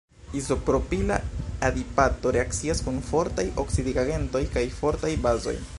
Izopropila adipato reakcias kun fortaj oksidigagentoj kaj fortaj bazoj.